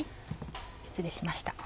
失礼しました。